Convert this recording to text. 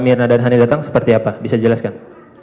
mirna dan hani datang seperti apa bisa dijelaskan